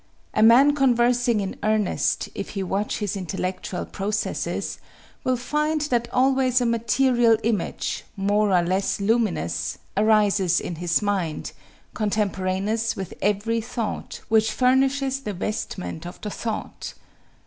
A man conversing in earnest, if he watch his intellectual processes, will find that always a material image, more or less luminous, arises in his mind, contemporaneous with every thought, which furnishes the vestment of the thought....